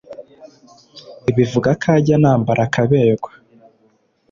bivuga ko ajya anambara akaberwa